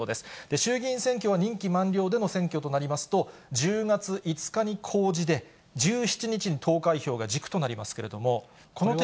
衆議院選挙は任期満了での選挙となりますと、１０月５日に公示で、１７日に投開票が軸となりますけ